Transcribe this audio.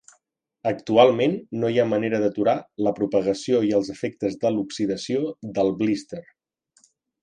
Actualment, no hi ha manera d'aturar la propagació i els efectes de l'oxidació del blíster.